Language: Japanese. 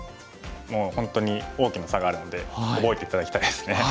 もう本当に大きな差があるので覚えて頂きたいですね。